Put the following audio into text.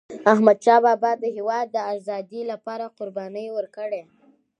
احمدشاه بابا د هیواد د آزادی لپاره قربانۍ ورکړي.